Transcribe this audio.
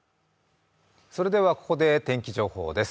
それではここで天気情報です。